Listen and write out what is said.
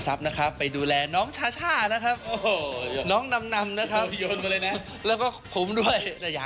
รับเถอะคนเราก็ต้องกินต้องใช้